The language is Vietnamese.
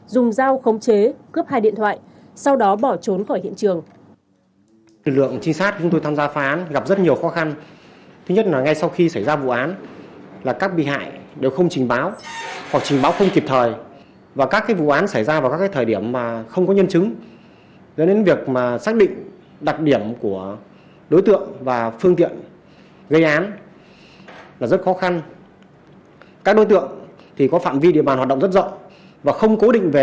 dùng dao khống chế cướp hai điện thoại sau đó bỏ trốn khỏi hiện trường